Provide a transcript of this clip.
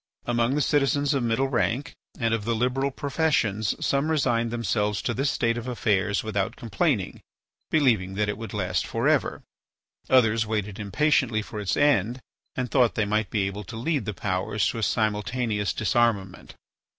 Among the citizens of middle rank and of the liberal professions some resigned themselves to this state of affairs without complaining, believing that it would last for ever; others waited impatiently for its end and thought they might be able to lead the powers to a simultaneous disarmament.